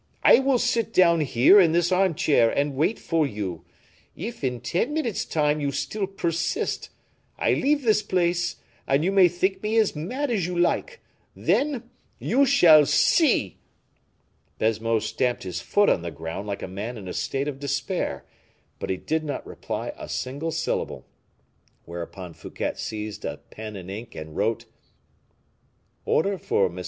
"I will sit down here, in this armchair, and wait for you; if, in ten minutes' time, you still persist, I leave this place, and you may think me as mad as you like. Then you shall see!" Baisemeaux stamped his foot on the ground like a man in a state of despair, but he did not reply a single syllable; whereupon Fouquet seized a pen and ink, and wrote: "Order for M.